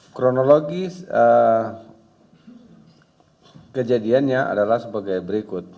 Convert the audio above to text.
kronologi kejadiannya adalah sebagai berikut